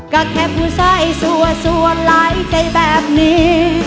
ก็แค่ผู้ใส่สัวหลายใจแบบนี้